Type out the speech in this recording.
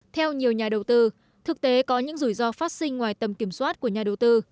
theo nhiều nhà đầu tư thực tế có những rủi ro phát sinh ngoài tầm kiểm soát của nhà đầu tư